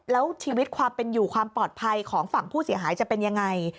แล้วชีวิตความเป็นอยู่ความปลอดภัยของฝั่งผู้เสียหายจะเป็นยังไง